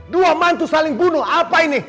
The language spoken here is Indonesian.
dua mantu saling bunuh apa ini